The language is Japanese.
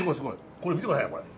これ見て下さいよこれ。